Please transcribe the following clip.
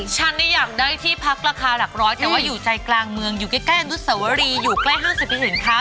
ฉันนี่อยากได้ที่พักราคาหลักร้อยแต่ว่าอยู่ใจกลางเมืองอยู่ใกล้อนุสวรีอยู่ใกล้ห้างสรรพสินค้า